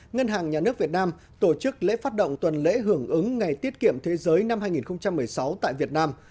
ngân hàng nhà nước việt nam tổ chức lễ phát động tuần lễ hưởng ứng ngày tiết kiệm thế giới năm hai nghìn một mươi sáu tại việt nam